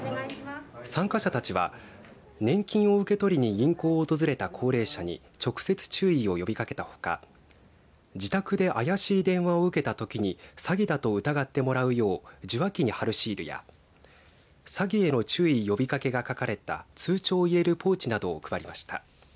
参加者たちは、年金受け取りに銀行を訪れた高齢者に直接、注意を呼びかけたほか自宅であやしい電話を受けたときに詐欺だと疑ってもらうよう受話器に貼るシールや詐欺への注意呼びかけが書かれた通帳を入れるポーチなどを配りました。